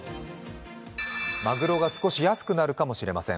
マグロが少し安くなるかもしれません。